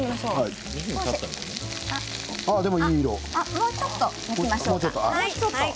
もうちょっと焼きましょう。